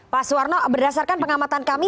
pak suwarno berdasarkan pengamatan kami